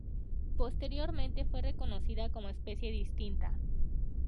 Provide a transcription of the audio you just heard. Posteriormente fue reconocida como especie distinta.